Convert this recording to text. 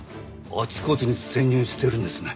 あちこちに潜入してるんですね。